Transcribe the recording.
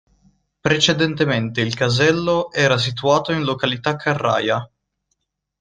Precedentemente il casello era situato in località Carraia.